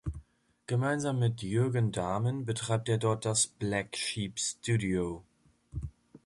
Gemeinsam mit Jürgen Dahmen betreibt er dort das "Black Sheep Studio".